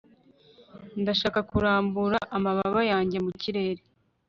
ndashaka kurambura amababa yanjye mu kirere